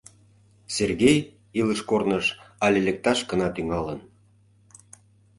Сергей илыш корныш але лекташ гына тӱҥалын.